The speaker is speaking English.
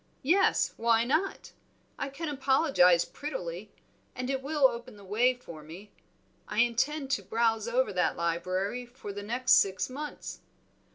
"Yes; why not? I can apologize prettily, and it will open the way for more. I intend to browse over that library for the next six months."